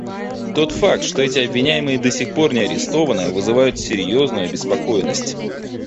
Тот факт, что эти обвиняемые до сих пор не арестованы, вызывает серьезную обеспокоенность.